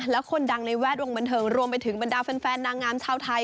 แล้วคนดังในแวดวงบันเทิงรวมไปถึงบรรดาแฟนนางงามชาวไทย